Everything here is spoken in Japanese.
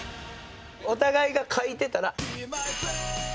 お互いが掻いてたら。